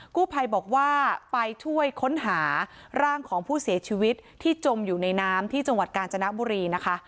กู้ภัยบอกว่าไปช่วยค้นหาร่างของผู้เสียชีวิตที่จมอยู่ในน้ำที่จังหวัดกาญจนบุรีนะคะ